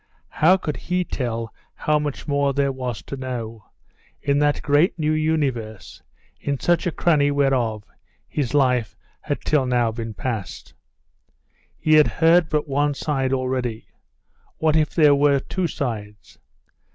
How could he tell how much more there was to know, in that great new universe, in such a cranny whereof his life had till now been past? He had heard but one side already. What if there were two sides?